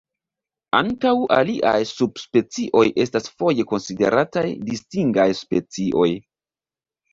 Ankaŭ aliaj subspecioj estas foje konsiderataj distingaj specioj.